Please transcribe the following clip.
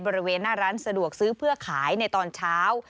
บริเวณหน้าร้านสะดวกซื้อเพื่อขายในตอนเช้า